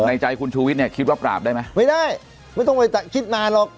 ใจคุณชูวิทย์เนี่ยคิดว่าปราบได้ไหมไม่ได้ไม่ต้องไปคิดนานหรอก